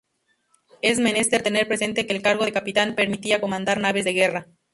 Es menester tener presente que el cargo de capitán permitía comandar naves de guerra.